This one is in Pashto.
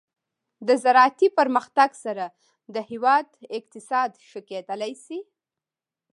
د زراعتي پرمختګ سره د هیواد اقتصاد ښه کیدلی شي.